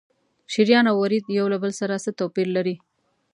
شریان او ورید یو له بل سره څه توپیر لري؟